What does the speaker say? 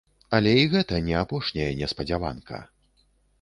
Але і гэта не апошняя неспадзяванка.